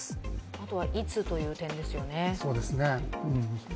あとは、いつ、という点ですよね。